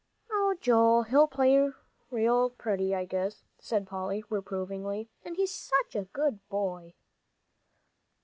"Oh, Joel, he'll play real pretty, I guess," said Polly, reprovingly, "and he's such a good boy."